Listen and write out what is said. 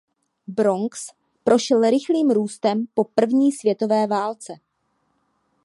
Bronx prošel rychlým růstem po první světové válce.